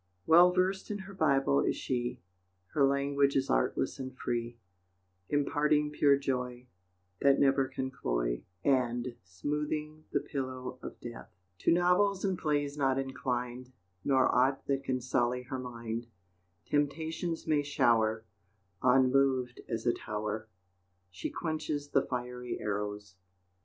Well versed in her Bible is she, Her language is artless and free, Imparting pure joy, That never can cloy, And smoothing the pillow of death. To novels and plays not inclined, Nor aught that can sully her mind; Temptations may shower, Unmoved as a tower, She quenches the fiery arrows.